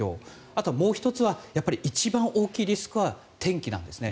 あともう１つは一番大きいリスクは天気なんですね。